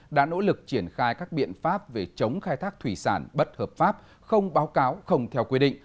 đã nỗ lực triển khai các biện pháp về chống khai thác thủy sản bất hợp pháp không báo cáo không theo quy định